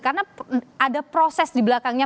karena ada proses di belakangnya